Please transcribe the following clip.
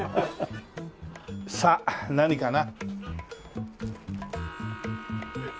さあ何かな？